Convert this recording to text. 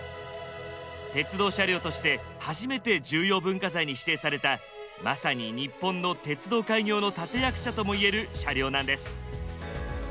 鉄道車両として初めて重要文化財に指定されたまさに日本の鉄道開業の立て役者ともいえる車両なんです。